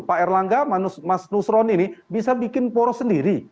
pak erlangga mas nusron ini bisa bikin poros sendiri